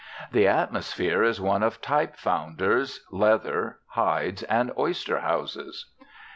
The atmosphere is one of typefounders, leather, hides, and oyster houses.